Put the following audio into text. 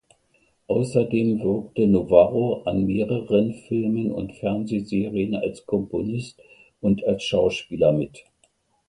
Außerdem wirkte Novarro an mehreren Filmen und Fernsehserien als Komponist und als Schauspieler mit.